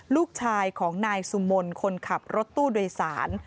ลูกชายของนายสุมนต์คนขับรถตู้โดยสาร